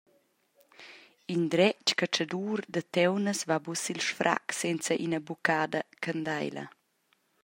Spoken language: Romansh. In dretg catschadur da taunas va buca sil sfrac senza ina buccada candeila.